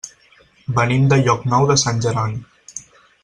Venim de Llocnou de Sant Jeroni.